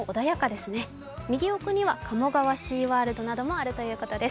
右奥には鴨川シーワールドもあるようです。